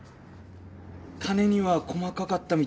金には細かかったみたいですね。